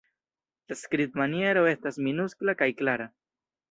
La skribmaniero estas minuskla kaj klara.